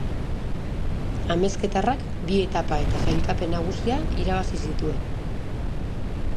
Amezketarrak bi etapa eta sailkapen nagusia irabazi zituen.